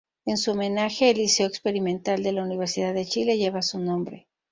En su homenaje, el Liceo Experimental de la Universidad de Chile lleva su nombre.